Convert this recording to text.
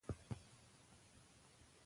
هغوی نشي کولای دا متن سم ولولي.